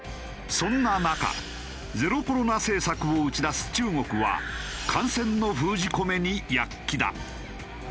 そんな中ゼロコロナ政策を打ち出す中国は感染の封じ込めに躍起だ。